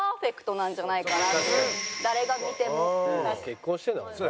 結婚してるんだもんな。